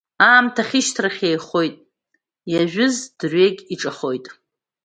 Аамҭа ахьышьҭрахь еихоит, иажәыз дырҩегь иҿахоит.